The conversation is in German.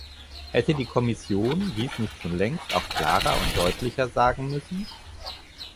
Hätte die Kommission dies nicht schon längst auch klarer und deutlicher sagen müssen?